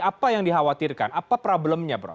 apa yang dikhawatirkan apa problemnya bro